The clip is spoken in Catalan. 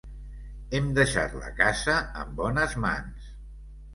Hem deixat la casa en bones mans.